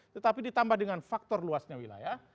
tetapi ditambah dengan faktor luasnya wilayah